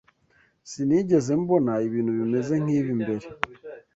Sinigeze mbona ibintu bimeze nkibi mbere.